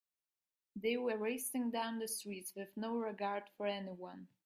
They were racing down the streets with no regard for anyone.